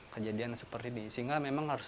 kejadian seperti ini sehingga memang harus